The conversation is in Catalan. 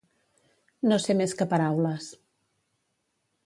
No ser més que paraules.